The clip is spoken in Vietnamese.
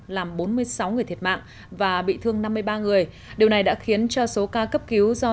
làm bốn mươi sáu người thiệt mạng và bị thương năm mươi ba người điều này đã khiến cho số ca cấp cứu do